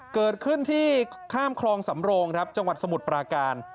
เกิดขึ้นที่ข้ามคลองสำโรงครับจังหวัดสมุทรปราการ